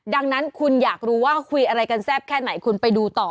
ดังนั้นคุณอยากรู้ว่าคุยอะไรกันแซ่บแค่ไหนคุณไปดูต่อ